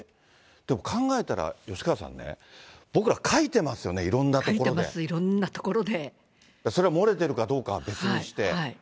でも、考えたら吉川さんね、僕ら、書いてますよね、書いてます、いろんなところそれは漏れているかどうかは別にして。